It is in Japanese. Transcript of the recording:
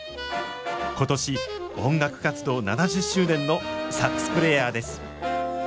今年音楽活動７０周年のサックスプレーヤーです。